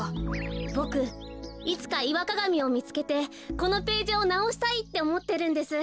ボクいつかイワカガミをみつけてこのページをなおしたいっておもってるんです。